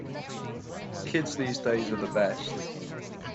Kids these days are the best.